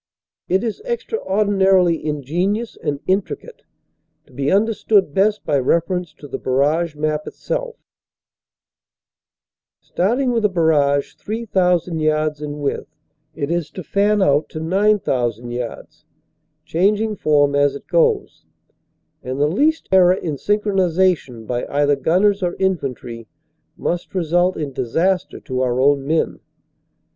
It is extraordinarily ingen ious and intricate, to be understood best by reference to the barrage map itself. Starting with a barrage 3,000 yards in width, it is to fan out to 9,000 yards, changing form as it goes, and the least error in synchronization by either gunners or infantry must result in MARCHING UP TO BATTLE 215 disaster to our own men.